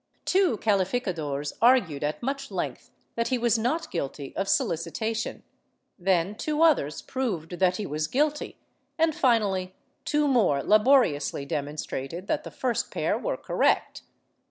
Two cahfi cadores argued at much length that he was not guilt}'' of solici tation ; then two others proved that he was guilty, and finally two more laboriously demonstrated that the first pair were correct.